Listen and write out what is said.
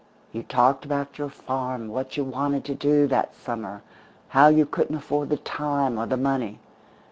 You talked about your farm, what you wanted to do that summer, how you couldn't afford the time or the money.